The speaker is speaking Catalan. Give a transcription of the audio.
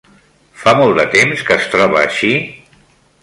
Fa molt de temps que es troba així?